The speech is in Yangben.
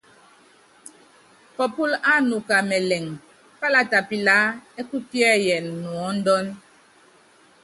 Pɔpúl ánuka mɛlɛŋ, pálata pilaá ɛ́ kupíɛ́yɛn nuɔ́ndɔ́n.